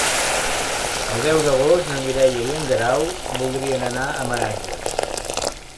El deu d'agost na Mireia i en Guerau voldrien anar a Meranges.